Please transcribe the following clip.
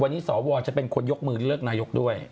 วันนี้สวจะเป็นคนยกมือเลือกนายกด้วย